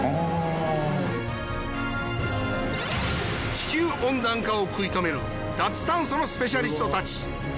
地球温暖化を食い止める脱炭素のスペシャリストたち。